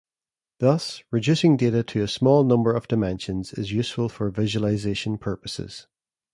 Thus, reducing data to a small number of dimensions is useful for visualization purposes.